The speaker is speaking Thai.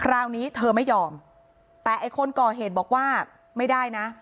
คราวนี้เธอไม่ยอมแต่ไอ้คนก่อเหตุบอกว่าไม่ได้นะ